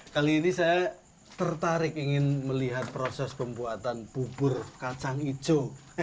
kali ini saya tertarik ingin melihat proses pembuatan bubur kacang hijau